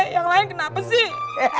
yang lain kenapa sih